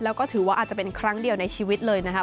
แล้วก็ถือว่าอาจจะเป็นครั้งเดียวในชีวิตเลยนะครับ